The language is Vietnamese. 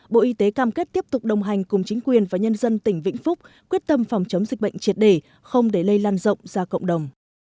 bộ y tế cam kết tiếp tục đồng hành cùng chính quyền và nhân dân tỉnh vĩnh phúc quyết tâm phòng chống dịch bệnh triệt đề không để lây lan rộng ra cộng đồng